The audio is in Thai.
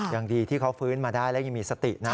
ยังดีที่เขาฟื้นมาได้แล้วยังมีสตินะ